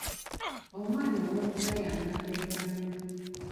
Omwana owookuna y’anaabeera ani?